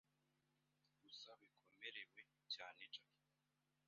gusa bikomerera cyane Jackie